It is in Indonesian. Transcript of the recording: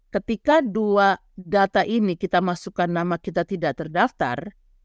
ketika dua data ini kita masukkan nama kita tidak terdaftar